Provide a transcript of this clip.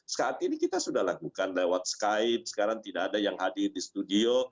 saat ini kita sudah lakukan lewat skype sekarang tidak ada yang hadir di studio